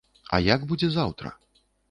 А як будзе заўтра?